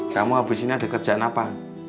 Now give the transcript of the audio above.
kamu habis ini ada kerjaan apa